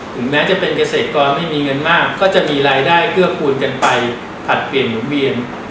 แม้จะเป็นเกษตรกรที่มีเงินมากก็จะมีรายได้เกื้อกูลกันไปผลัดเปลี่ยนหมุนเวียน